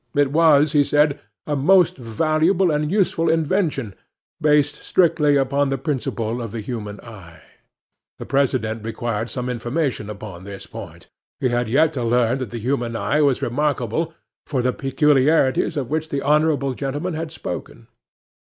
It was, he said, a most valuable and useful invention, based strictly upon the principle of the human eye. 'THE PRESIDENT required some information upon this point. He had yet to learn that the human eye was remarkable for the peculiarities of which the honourable gentleman had spoken.